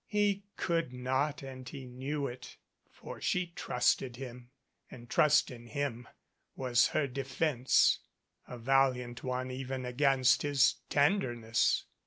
He could not and he knew it; for she trusted him and trust in him was her defence, a valiant one even against his tenderness.